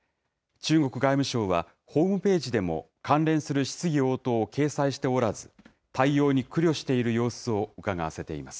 中国外務省は、ホームページでも関連する質疑応答を掲載しておらず、対応に苦慮している様子をうかがわせています。